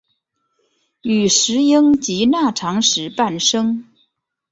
与石英及钠长石伴生。